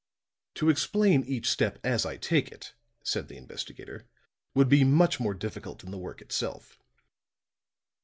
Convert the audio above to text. "To explain each step as I take it," said the investigator, "would be much more difficult than the work itself.